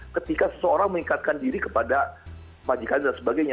ketika seseorang meningkatkan diri kepada majikan dan sebagainya